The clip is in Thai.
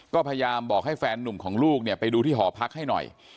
ก็พยายามบอกให้แฟนนุ่มของลูกเนี่ยไปดูที่หอพักให้หน่อย